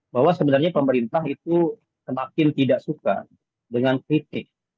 bahwa sebenarnya pemerintah itu semakin tidak suka dengan kritik